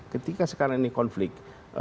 ketika sekarang ini konflik